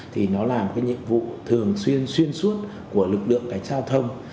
thì nó làm cái nhiệm vụ thường xuyên xuyên suốt của lực lượng cải trang giao thông